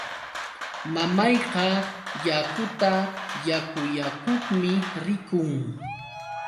Mamayqa yakuta yakullakuqmi rikun.